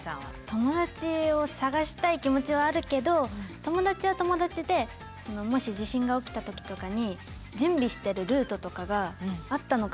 友達を探したい気持ちはあるけど友達は友達でもし地震が起きた時とかに準備してるルートとかがあったのかもしれないって。